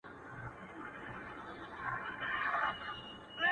په " زلمۍ سندرو " کي دا څلوریځه لولو